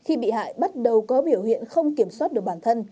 khi bị hại bắt đầu có biểu hiện không kiểm soát được bản thân